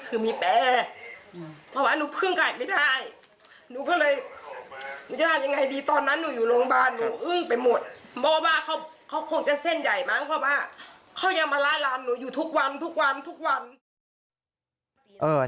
เขายังมาล้านร้านหนูอยู่ทุกวันทุกวันทุกวัน